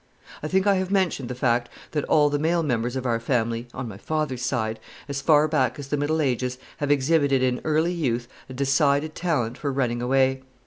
I think I have mentioned the fact that all the male members of our family, on my father's side as far back as the Middle Ages have exhibited in early youth a decided talent for running away.